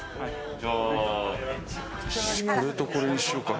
じゃあ、これとこれにしようかな。